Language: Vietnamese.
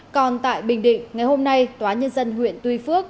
còn tại bình định ngày hôm nay tòa nhân dân huyện tuy phước